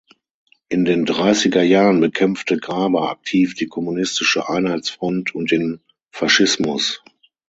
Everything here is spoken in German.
In den dreissiger Jahren bekämpfte Graber aktiv die kommunistische Einheitsfront und den Faschismus.